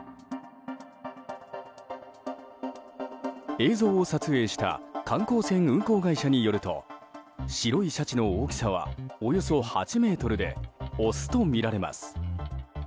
映像を撮影した観光船運航会社によると白いシャチの大きさはおよそ８ｍでオスとみられます。